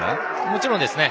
もちろんですね。